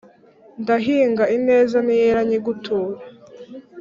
ndahinga ineza niyera nyiguture